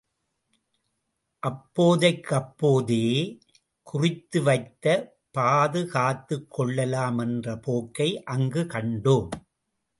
அப்போதைக்கப்போதே குறித்து வைத்து, பாதுகாத்துக் கொள்ளலாம் என்ற போக்கை அங்குக் கண்டோம்.